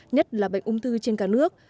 nhất là bệnh ung thư trên cả nước